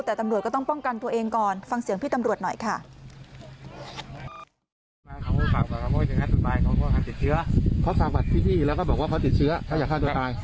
แต่ตำรวจก็ต้องป้องกันตัวเองก่อนฟังเสียงพี่ตำรวจหน่อยค่ะ